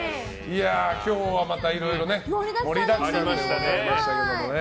今日はまたいろいろ盛りだくさんでしたが。